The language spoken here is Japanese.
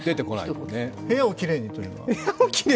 部屋をキレイにというのは？